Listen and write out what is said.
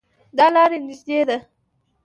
دا لار نږدې ده